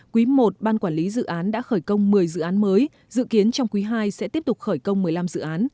quý i ban quản lý dự án đã khởi công một mươi dự án mới dự kiến trong quý ii sẽ tiếp tục khởi công một mươi năm dự án